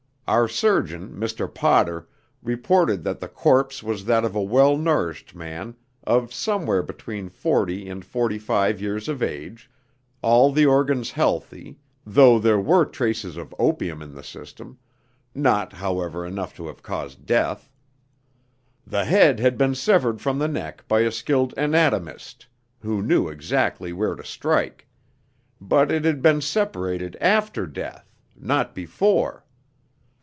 Our surgeon, Mr. Potter, reported that the corpse was that of a well nourished man of somewhere between forty and forty five years of age, all the organs healthy, though there were traces of opium in the system not, however, enough to have caused death. The head had been severed from the neck by a skilled anatomist, who knew exactly where to strike; but it had been separated after death, not before.